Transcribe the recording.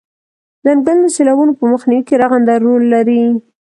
څنګلونه د سیلابونو په مخنیوي کې رغنده رول لري